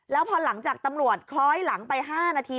แล้วพอหลังจากตำรวจคล้อยหลังไป๕นาที